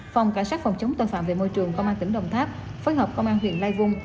phòng cảnh sát phòng chống tội phạm về môi trường công an tỉnh đồng tháp phối hợp công an huyện lai vung